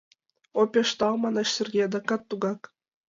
— О, пеш тау! — манеш Сергей адакат тугак.